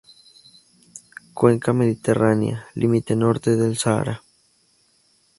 Cuenca mediterránea, límite norte del Sahara.